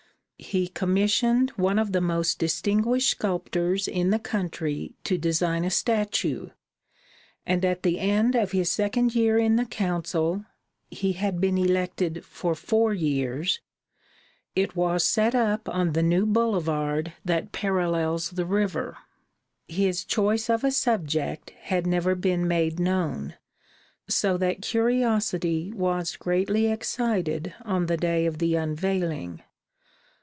He commissioned one of the most distinguished sculptors in the country to design a statue; and at the end of his second year in the Council (he had been elected for four years), it was set up on the new boulevard that parallels the river. His choice of a subject had never been made known, so that curiosity was greatly excited on the day of the unveiling.